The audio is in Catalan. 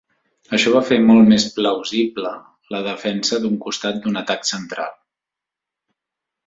Això va fer molt més plausible la defensa d'un costat d'un atac central.